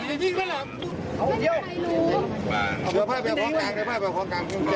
ไม่ได้วิ่งแล้วไม่มีใครรู้เอาไปพ่อกลางพ่อกลางพ่อกลาง